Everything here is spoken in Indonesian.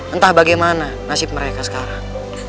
entah bagaimana nasib mereka sekarang